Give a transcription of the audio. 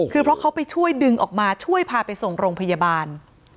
คือเพราะเขาไปช่วยดึงออกมาช่วยพาไปส่งโรงพยาบาล